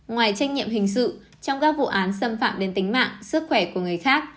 ngoài trách nhiệm hình sự trong các vụ án xâm phạm đến tính mạng sức khỏe của người khác